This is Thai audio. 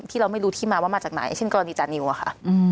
ที่เราไม่รู้ที่มาว่ามาจากไหนเช่นกรณีจานิวอะค่ะ